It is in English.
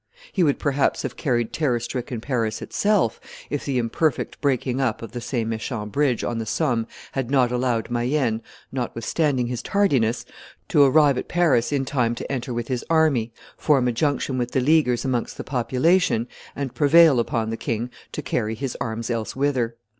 He would perhaps have carried terror stricken Paris itself, if the imperfect breaking up of the St. Maixent bridge on the Somme had not allowed Mayenne, notwithstanding his tardiness, to arrive at Paris in time to enter with his army, form a junction with the Leaguers amongst the population, and prevail upon the king to carry his arms elsewhither."